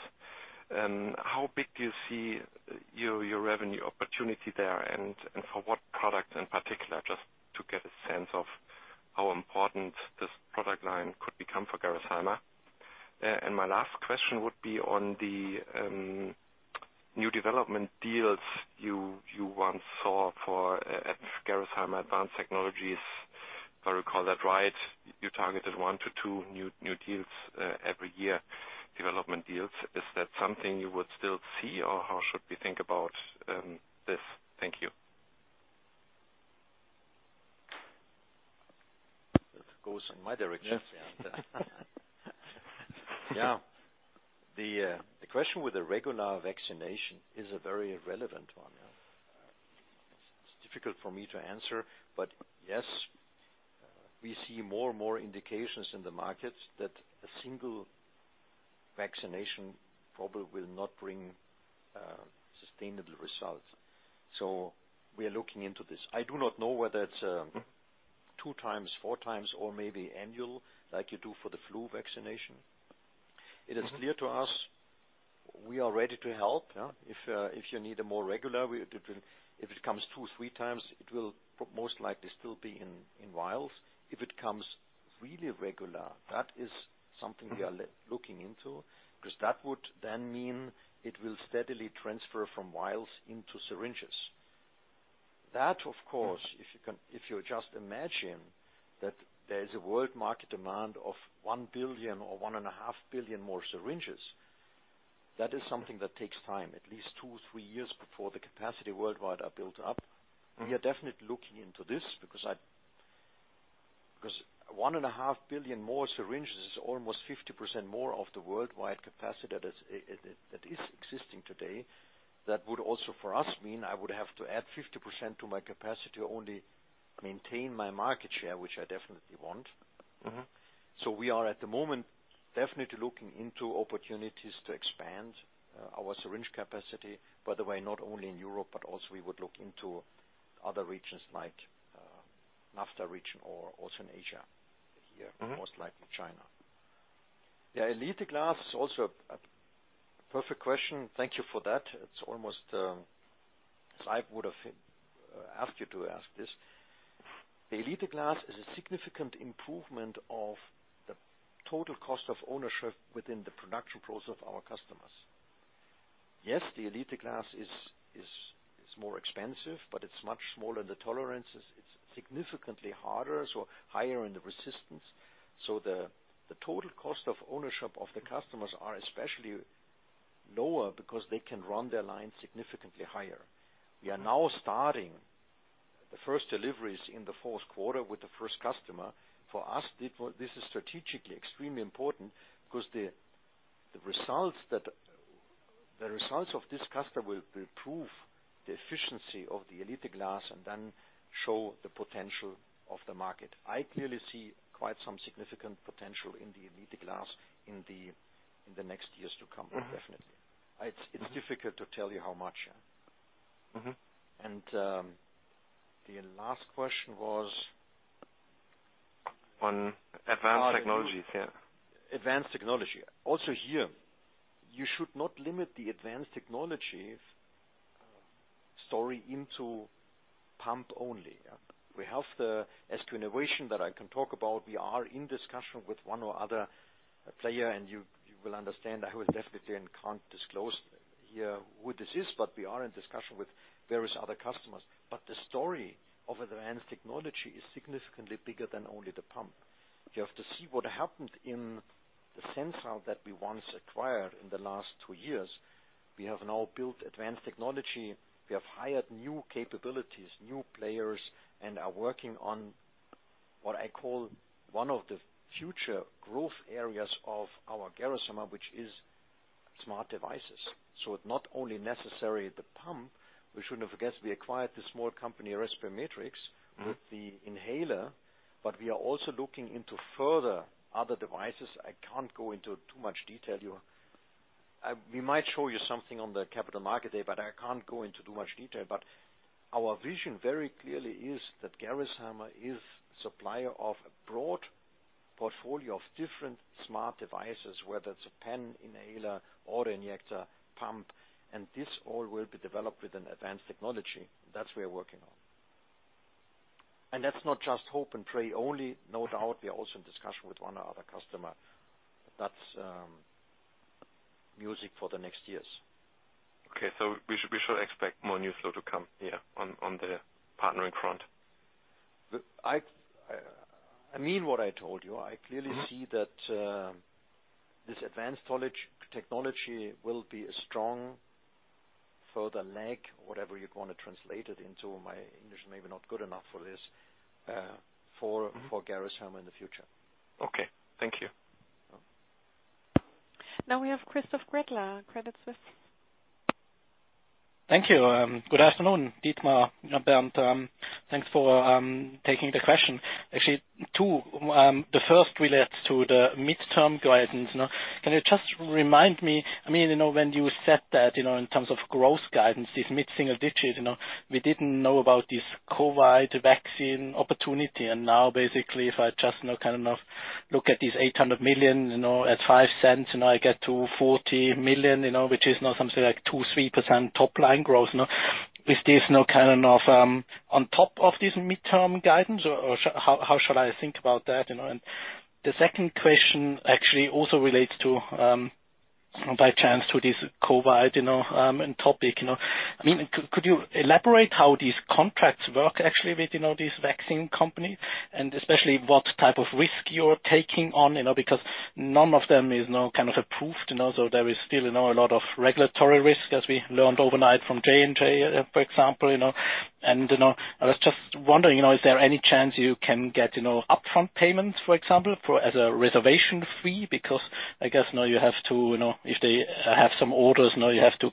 How big do you see your revenue opportunity there, and for what product in particular, just to get a sense of how important this product line could become for Gerresheimer? My last question would be on the new development deals you once saw at Gerresheimer Advanced Technologies. If I recall that right, you targeted one to two new deals every year, development deals. Is that something you would still see, or how should we think about this? Thank you. That goes in my direction. Yes. Yeah. The question with the regular vaccination is a very relevant one. It's difficult for me to answer, but yes, we see more and more indications in the market that a single vaccination probably will not bring sustainable results. We are looking into this. I do not know whether it's 2x, 4x, or maybe annual, like you do for the flu vaccination. It is clear to us, we are ready to help. If you need a more regular, if it comes 2x, 3x, it will most likely still be in vials. If it comes really regular, that is something we are looking into, because that would then mean it will steadily transfer from vials into syringes. That, of course, if you just imagine that there is a world market demand of 1 billion or 1.5 billion more syringes, that is something that takes time, at least two, three years before the capacity worldwide are built up. We are definitely looking into this because 1.5 billion more syringes is almost 50% more of the worldwide capacity that is existing today. That would also for us mean I would have to add 50% to my capacity to only maintain my market share, which I definitely want. We are at the moment definitely looking into opportunities to expand our syringe capacity, by the way, not only in Europe, but also we would look into other regions like NAFTA region or also in Asia here, most likely China. Elite glass, also a perfect question. Thank you for that. It's almost as I would have asked you to ask this. The Elite glass is a significant improvement of the total cost of ownership within the production process of our customers. Yes, the Gx Elite glass is more expensive, but it's much smaller in the tolerances. It's significantly harder, so higher in the resistance. The total cost of ownership of the customers are especially lower because they can run their line significantly higher. We are now starting the first deliveries in the Q4 with the first customer. For us, this is strategically extremely important because the results of this customer will prove the efficiency of the Gx Elite glass and then show the potential of the market. I clearly see quite some significant potential in the Gx Elite glass in the next years to come, definitely. It is difficult to tell you how much. The last question was. On Advanced Technologies. Advanced Technologies. Here, you should not limit the Advanced Technologies story into pump only. We have the SQ Innovation that I can talk about. We are in discussion with one or other player, and you will understand, I will definitely then can't disclose here who this is, but we are in discussion with various other customers. The story of Advanced Technologies is significantly bigger than only the pump. You have to see what happened in the Sensile that we once acquired in the last two years. We have now built Advanced Technologies. We have hired new capabilities, new players, and are working on what I call one of the future growth areas of our Gerresheimer, which is smart devices. It's not only necessarily the pump. We shouldn't forget we acquired the small company Respimetrix with the inhaler, but we are also looking into further other devices. I can't go into too much detail. We might show you something on the Capital Market Day, but I can't go into too much detail. Our vision very clearly is that Gerresheimer is supplier of a broad portfolio of different smart devices, whether it's a pen inhaler or an injector pump, and this all will be developed with an advanced technology. That's we are working on. That's not just hope and pray only. No doubt, we are also in discussion with one or other customer. That's music for the next years. Okay. We should expect more news flow to come here on the partnering front. I mean what I told you. I clearly see that this advanced technology will be a strong further leg, whatever you'd want to translate it into. My English may not be good enough for this, for Gerresheimer in the future. Okay. Thank you. Now we have Christoph Gretler, Credit Suisse. Thank you. Good afternoon, Dietmar, Bernd. Thanks for taking the question. Actually, two. The first relates to the midterm guidance. Can you just remind me, when you said that in terms of growth guidance, this mid-single digits. We didn't know about this COVID vaccine opportunity. Now basically if I just look at this 800 million, at 0.05, I get to 40 million, which is now something like 2%-3% top line growth. Is this now kind of on top of this midterm guidance or how should I think about that? The second question actually also relates to, by chance, to this COVID topic. Could you elaborate how these contracts work actually with these vaccine companies? Especially what type of risk you're taking on, because none of them is now kind of approved. There is still a lot of regulatory risk as we learned overnight from J&J, for example. I was just wondering, is there any chance you can get upfront payments, for example, as a reservation fee? I guess now you have to, if they have some orders, now you have to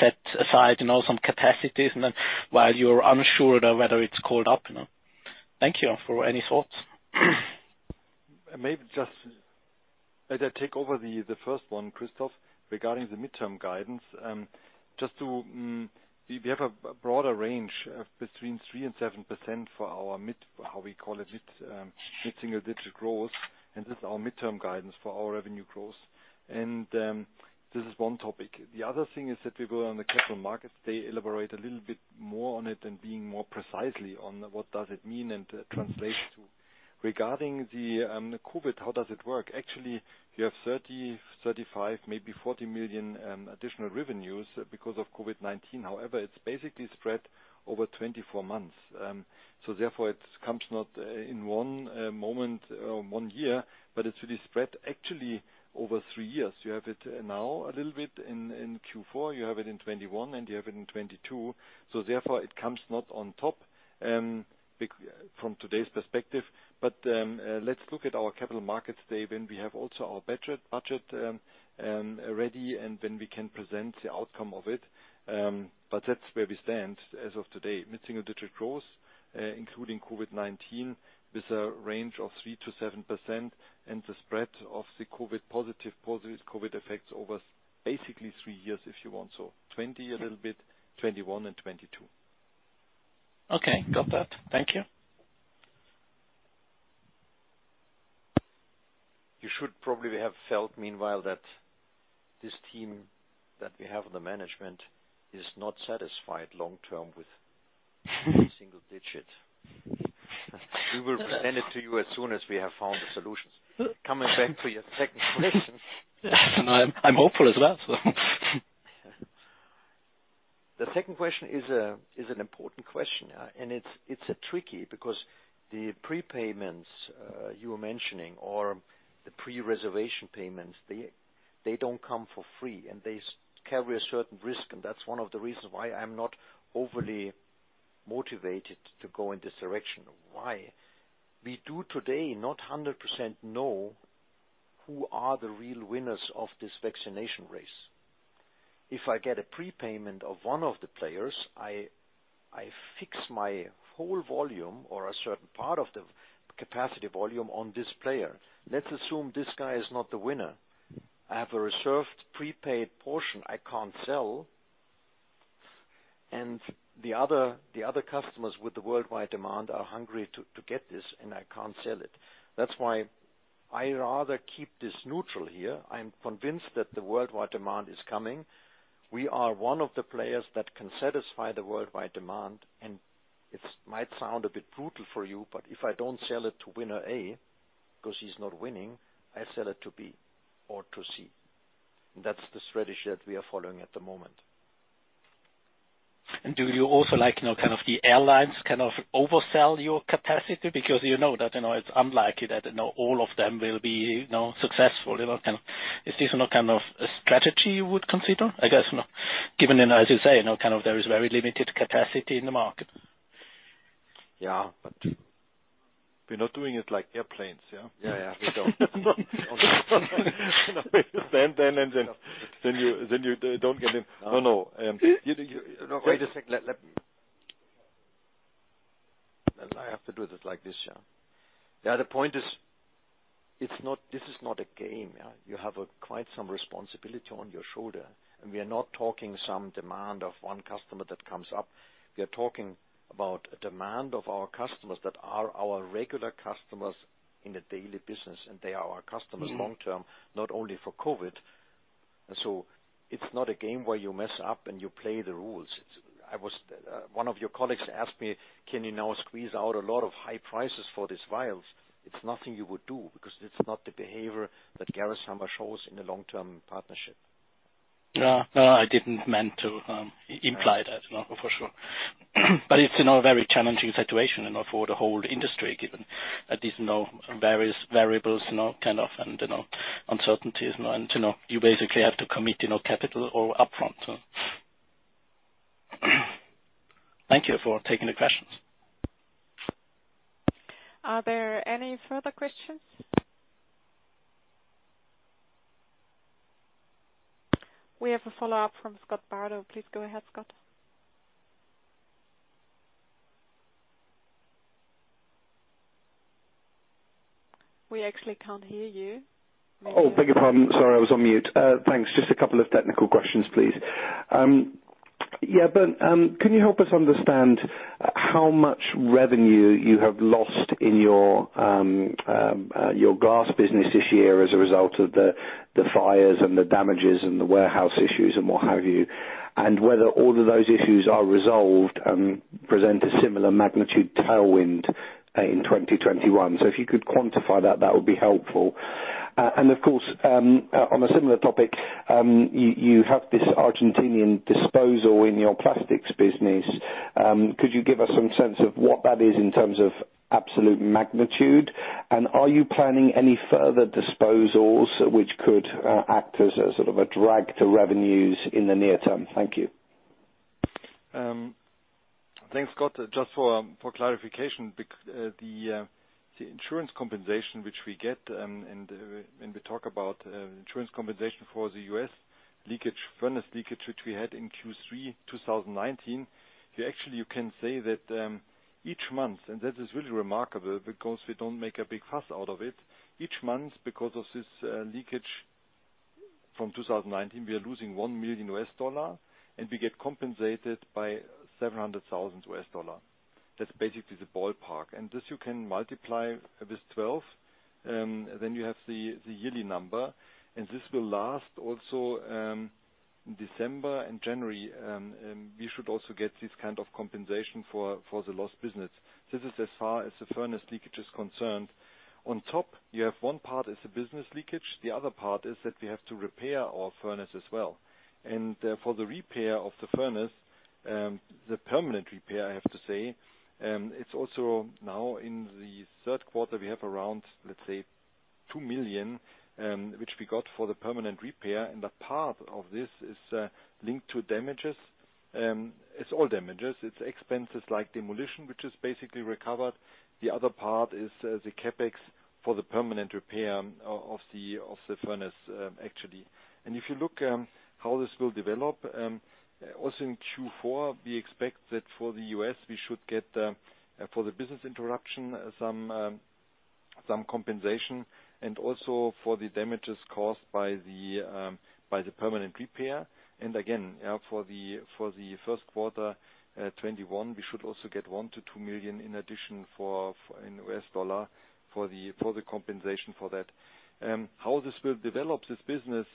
set aside some capacities and then while you're unsure whether it's called up. Thank you for any thoughts. Maybe just as I take over the first one, Christoph, regarding the midterm guidance. We have a broader range of between 3% and 7% for our mid, how we call it, mid-single digit growth. This is our midterm guidance for our revenue growth. This is one topic. The other thing is that we go on the Capital Markets Day, elaborate a little bit more on it and being more precisely on what does it mean and translates to. Regarding the COVID-19, how does it work? Actually, we have 30 million, 35 million, maybe 40 million additional revenues because of COVID-19. However, it's basically spread over 24 months. It comes not in one moment or one year, but it's really spread actually over three years. You have it now a little bit in Q4, you have it in 2021, and you have it in 2022. Therefore it comes not on top, from today's perspective. Let's look at our capital markets day when we have also our budget ready, and when we can present the outcome of it. That's where we stand as of today. Mid-single digit growth, including COVID-19, with a range of 3%-7% and the spread of the COVID-positive COVID effects over basically three years, if you want so. 2020 a little bit, 2021 and 2022. Okay. Got that. Thank you. You should probably have felt meanwhile that this team that we have on the management is not satisfied long-term with single-digit. We will present it to you as soon as we have found the solutions. Coming back to your second question. I'm hopeful as well, so. The second question is an important question. It's tricky because the prepayments you were mentioning or the pre-reservation payments, they don't come for free and they carry a certain risk, and that's one of the reasons why I'm not overly motivated to go in this direction. Why? We do today not 100% know who are the real winners of this vaccination race. I get a prepayment of one of the players, I fix my whole volume or a certain part of the capacity volume on this player. Let's assume this guy is not the winner. I have a reserved prepaid portion I can't sell. The other customers with the worldwide demand are hungry to get this, and I can't sell it. That's why I rather keep this neutral here. I'm convinced that the worldwide demand is coming. We are one of the players that can satisfy the worldwide demand, and it might sound a bit brutal for you, but if I don't sell it to winner A because he's not winning, I sell it to B or to C. That's the strategy that we are following at the moment. Do you also, like kind of the airlines, kind of oversell your capacity because you know that it is unlikely that all of them will be successful. Is this not a strategy you would consider? I guess, given, as you say, there is very limited capacity in the market. Yeah, but- We're not doing it like airplanes, yeah. Yeah. We don't. You don't get in. No. Wait a second. Let me. I have to do this like this, yeah. The point is, this is not a game. You have quite some responsibility on your shoulder. We are not talking some demand of one customer that comes up. We are talking about a demand of our customers that are our regular customers in the daily business, and they are our customers long-term, not only for COVID. It's not a game where you mess up and you play the rules. One of your colleagues asked me, "Can you now squeeze out a lot of high prices for these vials?" It's nothing you would do, because it's not the behavior that Gerresheimer shows in a long-term partnership. Yeah. I didn't mean to imply that, for sure. It's a very challenging situation for the whole industry, given that these various variables and uncertainties. You basically have to commit capital all upfront. Thank you for taking the questions. Are there any further questions? We have a follow-up from Scott Bardo. Please go ahead, Scott. We actually can't hear you. Beg your pardon. Sorry, I was on mute. Thanks. Just a couple of technical questions, please. Bernd, can you help us understand how much revenue you have lost in your glass business this year as a result of the fires and the damages and the warehouse issues, and what have you? Whether all of those issues are resolved and present a similar magnitude tailwind in 2021. If you could quantify that would be helpful. Of course, on a similar topic, you have this Argentinian disposal in your plastics business. Could you give us some sense of what that is in terms of absolute magnitude? Are you planning any further disposals which could act as a sort of a drag to revenues in the near term? Thank you. Thanks, Scott. Just for clarification, the insurance compensation which we get, we talk about insurance compensation for the U.S. furnace leakage, which we had in Q3 2019. Actually, you can say that each month, that is really remarkable because we don't make a big fuss out of it. Each month because of this leakage from 2019, we are losing $1 million, we get compensated by $700,000. That's basically the ballpark. This you can multiply with 12, you have the yearly number, this will last also in December and January. We should also get this kind of compensation for the lost business. This is as far as the furnace leakage is concerned. On top, you have one part is the business leakage. The other part is that we have to repair our furnace as well. For the repair of the furnace, the permanent repair I have to say, it is also now in the Q3, we have around, let's say, 2 million, which we got for the permanent repair and a part of this is linked to damages. It is all damages. It is expenses like demolition, which is basically recovered. The other part is the CapEx for the permanent repair of the furnace, actually. If you look how this will develop, also in Q4, we expect that for the U.S., we should get for the business interruption some compensation and also for the damages caused by the permanent repair. Again, for the Q1 2021, we should also get $1 million to $2 million in addition in US dollar for the compensation for that. How this will develop, this business,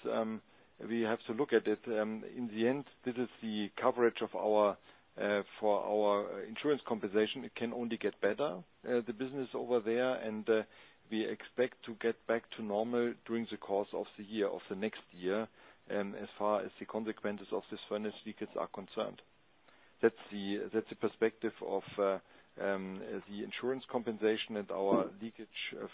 we have to look at it. In the end, this is the coverage for our insurance compensation. It can only get better, the business over there, and we expect to get back to normal during the course of the next year, as far as the consequences of this furnace leakage are concerned. That's the perspective of the insurance compensation and our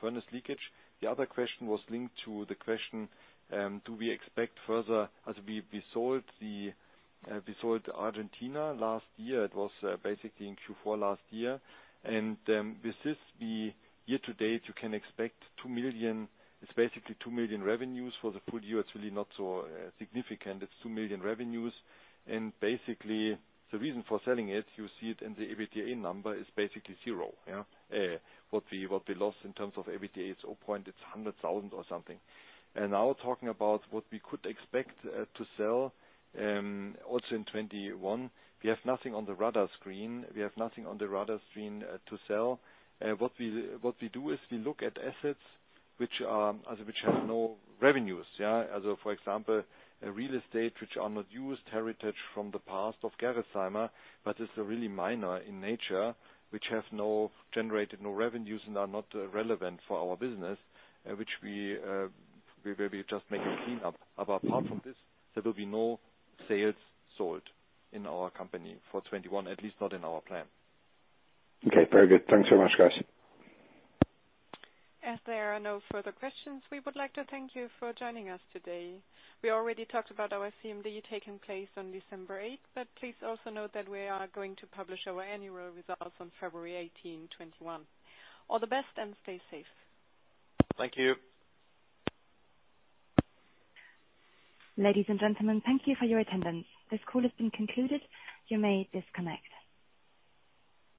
furnace leakage. The other question was linked to the question, as we sold Argentina last year. It was basically in Q4 last year. This is the year to date, you can expect 2 million. It's basically 2 million revenues for the full year. It's really not so significant. It's 2 million revenues. Basically, the reason for selling it, you see it in the EBITDA number, is basically zero. What we lost in terms of EBITDA, it's 100,000 or something. Now talking about what we could expect to sell also in 2021, we have nothing on the radar screen to sell. What we do is we look at assets which have no revenues. For example, real estate, which are not used, heritage from the past of Gerresheimer, but it's really minor in nature, which have generated no revenues and are not relevant for our business, which we will be just making clean up. Apart from this, there will be no asset sales in our company for 2021, at least not in our plan. Okay. Very good. Thanks so much, guys. As there are no further questions, we would like to thank you for joining us today. We already talked about our CMD taking place on December 8th, but please also note that we are going to publish our annual results on February 18, 2021. All the best and stay safe. Thank you. Ladies and gentlemen, thank you for your attendance. This call has been concluded. You may disconnect.